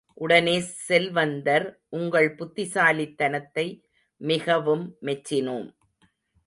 உடனே செல்வந்தர், உங்கள் புத்திசாலிதனத்தை மிகவும் மெச்சினோம்.